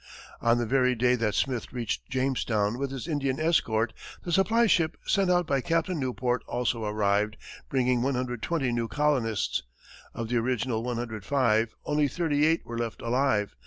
On the very day that Smith reached Jamestown with his Indian escort, the supply ship sent out by Captain Newport also arrived, bringing 120 new colonists. Of the original 105, only thirty eight were left alive.